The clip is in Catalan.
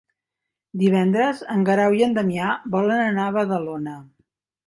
Divendres en Guerau i en Damià volen anar a Badalona.